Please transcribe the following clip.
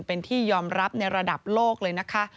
เป็นที่ยอมรับในระดับโลกเลยนะคะ